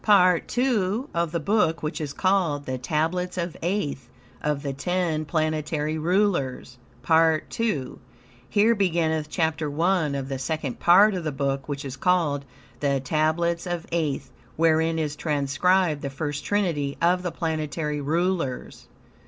PART II of The Book which is called THE TABLETS OF AETH OF THE TEN PLANETARY RULERS PART II Here beginneth Chapter I of the Second Part of the Book which is called "The Tablets of Aeth," wherein is transcribed the First Trinity of the Planetary Rulers.